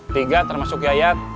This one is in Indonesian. tiga termasuk yayat